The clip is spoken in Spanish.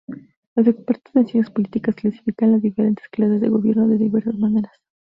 Los expertos en ciencias políticas clasifican las diferentes clases de Gobierno de diversas maneras.